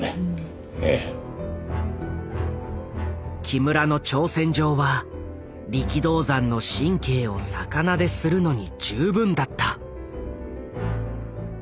木村の挑戦状は力道山の神経を逆なでするのに十分だった。